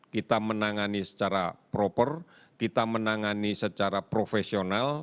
kita menangani secara proper kita menangani secara profesional